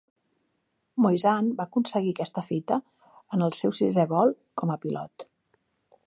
Moisant va aconseguir aquesta fita en el seu sisè vol com a pilot.